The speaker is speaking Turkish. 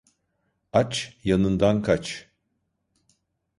Aç, yanından kaç.